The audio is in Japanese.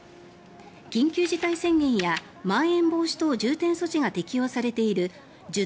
緊急事態宣言やまん延防止等重点措置が適用されている１０